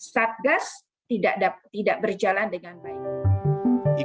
satgas tidak berjalan dengan baik